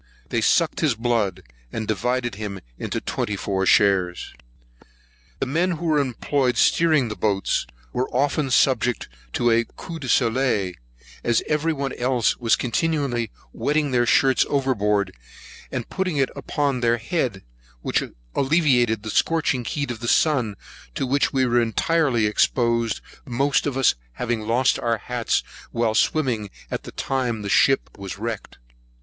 They sucked his blood, and divided him into twenty four shares. The men who were employed steering the boats, were often subject to a coup de soleil, as every one else were continually wetting their shirts overboard, and putting it upon their head, which alleviated the scorching heat of the sun, to which we were entirely exposed, most of us having lost our hats while swimming at the time the ship was wrecked.